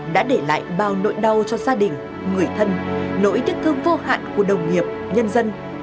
đã để lại bao nỗi đau cho gia đình người thân nỗi tiếc thương vô hạn của đồng nghiệp nhân dân